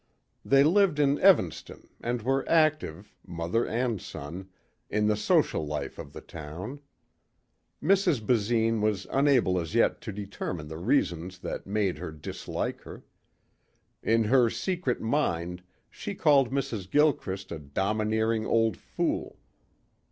They lived in Evanston and were active, mother and son, in the social life of the town. Mrs. Basine was unable as yet to determine the reasons that made her dislike her. In her secret mind she called Mrs. Gilchrist a domineering old fool.